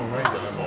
もう。